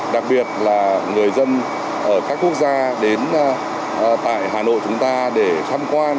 đặc biệt là người dân ở các quốc gia đến tại hà nội chúng ta để tham quan